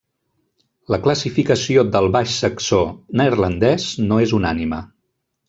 La classificació del baix saxó neerlandès no és unànime.